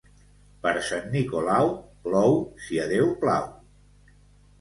Per Sant Nicolau plou si a Déu plau.